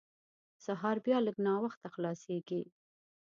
سهار بیا لږ ناوخته خلاصېږي.